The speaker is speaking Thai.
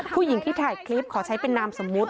ผู้หญิงที่ถ่ายคลิปขอใช้เป็นนามสมมุติ